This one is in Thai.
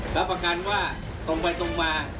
รับประกันว่าตรงไปตรงมา